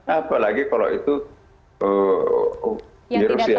apalagi kalau itu di rusia